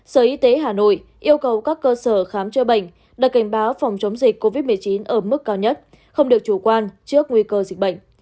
sở y tế hà nội yêu cầu các cơ sở khám chữa bệnh đặt cảnh báo phòng chống dịch covid một mươi chín ở mức cao nhất không được chủ quan trước nguy cơ dịch bệnh